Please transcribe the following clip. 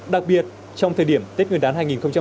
đặc biệt trong thời điểm tết nguyên đán hai nghìn hai mươi